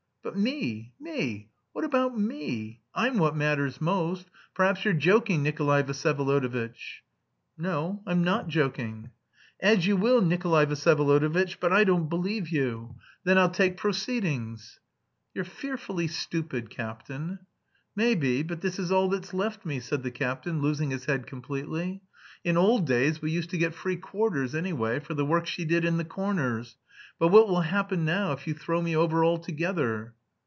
"But me, me? What about me? I'm what matters most!... Perhaps you're joking, Nikolay Vsyevolodovitch?" "No, I'm not joking." "As you will, Nikolay Vsyevolodovitch, but I don't believe you.... Then I'll take proceedings." "You're fearfully stupid, captain." "Maybe, but this is all that's left me," said the captain, losing his head completely. "In old days we used to get free quarters, anyway, for the work she did in the 'corners.' But what will happen now if you throw me over altogether?"